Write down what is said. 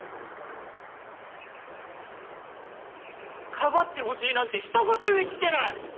庇ってほしいなんて一言も言ってない！